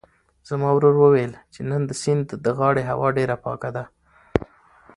زما ورور وویل چې نن د سیند د غاړې هوا ډېره پاکه ده.